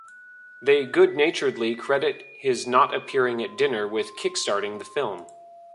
They good-naturedly credit his not appearing at dinner with kick-starting the film.